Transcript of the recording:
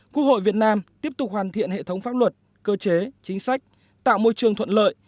quốc hội việt nam tiếp tục hoàn thiện hệ thống pháp luật cơ chế chính sách tạo môi trường thuận lợi